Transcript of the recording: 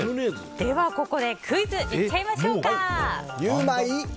ここでクイズいっちゃいましょうか。